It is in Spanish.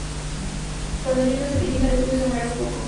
Cuando Jenna se dirige al estudio, se marea un poco.